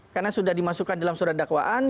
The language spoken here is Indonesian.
karena sudah dimasukkan dalam surat dakwaan